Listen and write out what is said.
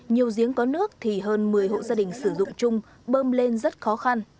nhiều giếng có nước thì hơn một mươi hộ gia đình sử dụng chung bơm lên rất khó khăn